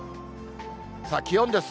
さあ、気温です。